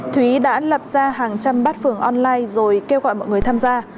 thúy đã lập ra hàng trăm bát phở online rồi kêu gọi mọi người tham gia